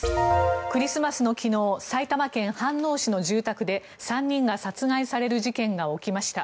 クリスマスの昨日埼玉県飯能市の住宅で３人が殺害される事件が起きました。